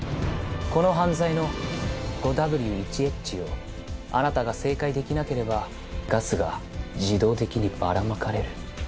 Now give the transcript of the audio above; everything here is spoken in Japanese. この犯罪の５Ｗ１Ｈをあなたが正解できなければガスが自動的にばらまかれる。